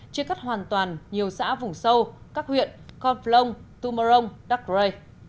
chia cắt hoàn toàn nhiều xã vùng sâu các huyện con phlong tumorong đắk rê